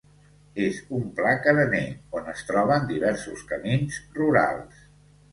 És un pla carener, on es troben diversos camins rurals.